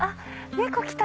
猫来た！